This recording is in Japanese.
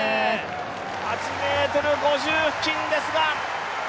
８ｍ５０付近ですが。